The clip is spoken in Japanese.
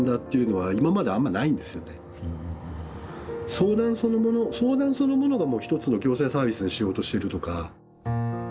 相談そのもの相談そのものがもう一つの行政サービスの仕事してるとか。